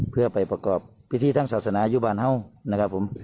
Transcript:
เพื่อไปประกอบพิธีทางศาสนาอยู่บ้านนั่ง